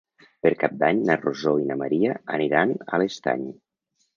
Per Cap d'Any na Rosó i na Maria aniran a l'Estany.